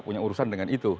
punya urusan dengan itu